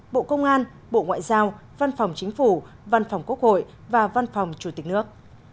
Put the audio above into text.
bộ công an bộ ngoại giao văn phòng chính phủ văn phòng quốc hội và văn phòng chủ tịch nước